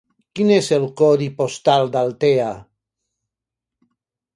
Quin és el codi postal d'Altea?